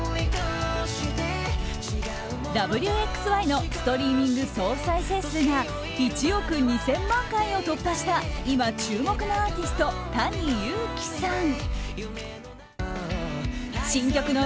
「Ｗ／Ｘ／Ｙ」のストリーミング総再生数が１億２０００万回を突破した今、注目のアーティストＴａｎｉＹｕｕｋｉさん。